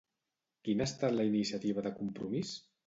Quina ha estat la iniciativa de Compromís?